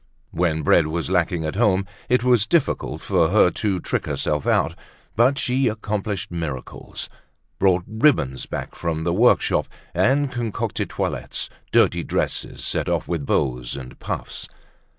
When bread was lacking at home it was difficult for her to trick herself out. But she accomplished miracles, brought ribbons back from the workshop and concocted toilettes—dirty dresses set off with bows and puffs.